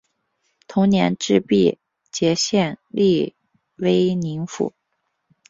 同年置毕节县隶威宁府。